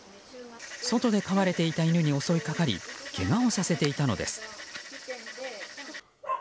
外で飼われていた犬に襲いかかりけがをさせていたのです。